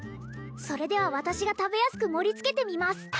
それでは私が食べやすく盛りつけてみます